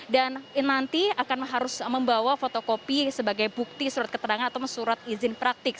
dan nanti akan harus membawa fotokopi sebagai bukti surat keterangan atau surat izin praktik